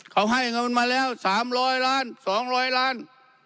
เขาให้เงินมาแล้ว๓๐๐ล้าน๒๐๐ล้าน